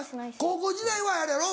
高校時代はあれやろ？